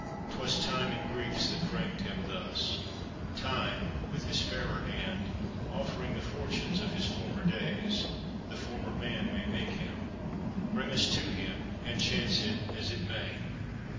'Twas time and griefs That framed him thus: Time, with his fairer hand, Offering the fortunes of his former days, The former man may make him. Bring us to him, And chance it as it may.